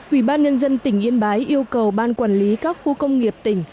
ubnd tỉnh yên bái yêu cầu ban quản lý các khu công nghiệp tỉnh